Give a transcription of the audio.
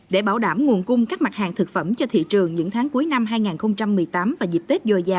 để bảo đảm nguồn cung các mặt hàng thực phẩm cho thị trường những tháng cuối năm hai nghìn một mươi tám và dịp tết dồi dào